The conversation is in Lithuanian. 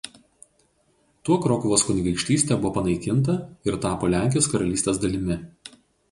Tuo Krokuvos kunigaikštystė buvo panaikinta ir tapo Lenkijos karalystės dalimi.